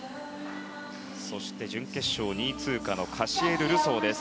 そして準決勝２位通過のカシエル・ルソーです。